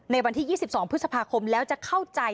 วันที่๒๒พฤษภาคมแล้วจะเข้าใจ